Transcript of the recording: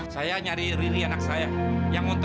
jaga diri kamu